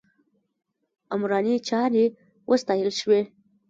عمراني چارې وستایل شوې.